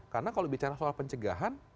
karena kalau bicara soal pencegahan